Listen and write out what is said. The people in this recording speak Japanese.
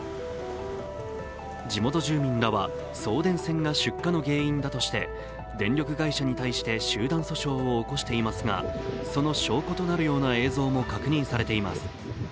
地元住民らは、送電線が出火の原因だとして電力会社に対して集団訴訟を起こしていますがその証拠となるような映像も確認されています